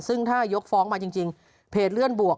ซึ่งถ้ายกฟ้องมาจริงเพจเลื่อนบวก